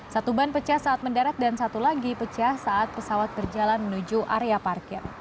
satu ban pecah saat mendarat dan satu lagi pecah saat pesawat berjalan menuju area parkir